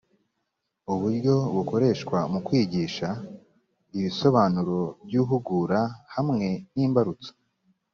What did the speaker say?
uburyo bukoreshwa mu kwigisha ibisobanuro by uhugura hamwe n imbarutso